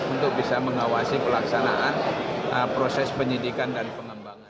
untuk bisa mengawasi pelaksanaan proses penyidikan dan pengembangan